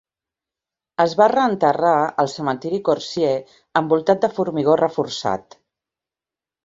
Es va reenterrar al cementiri Corsier envoltat de formigó reforçat.